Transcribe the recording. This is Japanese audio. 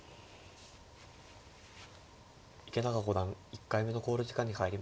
池永五段１回目の考慮時間に入りました。